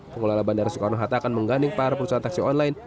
pengelola bandara soekarno hatta akan mengganding para perusahaan taksi online